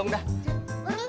ada apa cep